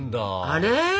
あれ？